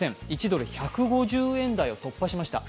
１ドル＝１５０円台を突破しました。